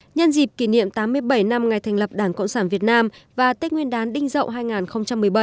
nhân dịp kỷ niệm tám mươi bảy năm ngày thành lập đảng cộng sản việt nam và tết nguyên đán đinh dậu hai nghìn một mươi bảy